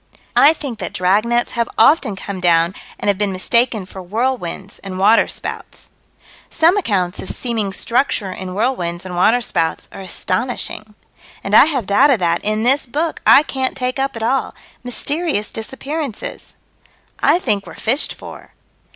I think that dragnets have often come down and have been mistaken for whirlwinds and waterspouts. Some accounts of seeming structure in whirlwinds and waterspouts are astonishing. And I have data that, in this book, I can't take up at all mysterious disappearances. I think we're fished for.